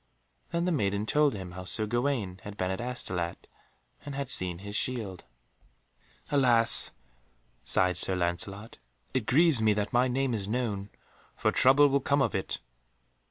Then the maiden told him how Sir Gawaine had been at Astolat and had seen his shield. "Alas!" sighed Sir Lancelot, "it grieves me that my name is known, for trouble will come of it."